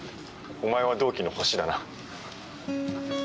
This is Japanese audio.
お前は同期の星だな。